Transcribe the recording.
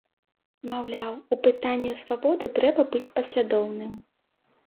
Маўляў, у пытання свабоды трэба быць паслядоўным.